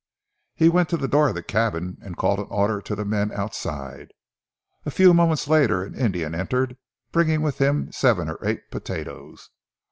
He went to the door of the cabin and called an order to the men outside. A few moments later an Indian entered bringing with him seven or eight potatoes.